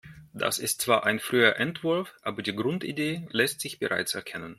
Das ist zwar ein früher Entwurf, aber die Grundidee lässt sich bereits erkennen.